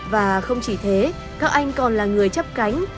và không chỉ thế các anh còn là người chấp cánh